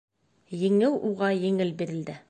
Еңеү уға еңел бирелде